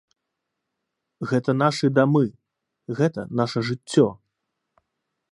Гэта нашы дамы, гэта наша жыццё.